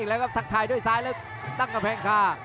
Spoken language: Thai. ฝนหลวงด้วยซ้ายลึกตั้งกระเภงค่ะ